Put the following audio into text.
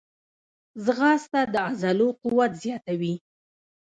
ځغاسته د عضلو قوت زیاتوي